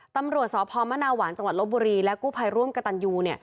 ตำรวจสพมนาหวานจังหวัดลบบุรีและกู้ภัยร่วมกับตันยู